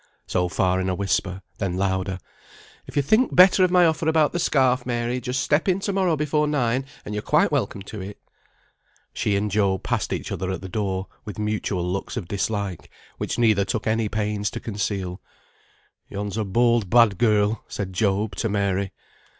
So far in a whisper, then louder, "If you think better of my offer about the scarf, Mary, just step in to morrow before nine, and you're quite welcome to it." She and Job passed each other at the door, with mutual looks of dislike, which neither took any pains to conceal. "Yon's a bold, bad girl," said Job to Mary.